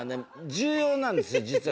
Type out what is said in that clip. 重要なんですよ実は。